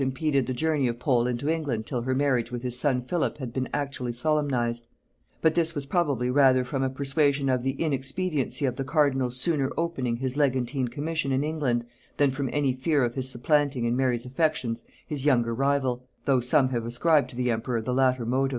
impeded the journey of Pole into England till her marriage with his son Philip had been actually solemnized; but this was probably rather from a persuasion of the inexpediency of the cardinal's sooner opening his legantine commission in England, than from any fear of his supplanting in Mary's affections his younger rival, though some have ascribed to the emperor the latter motive.